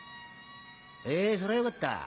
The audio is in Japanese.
へぇそりゃよかった。